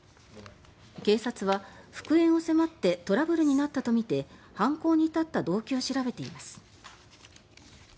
警察は、復縁を迫ってトラブルになったとみて犯行に至った動機を調べています。